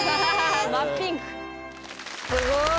すごい。